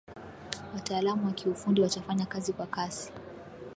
Wataalamu wa kiufundi watafanya kazi kwa kasi